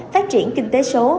phát triển kinh tế số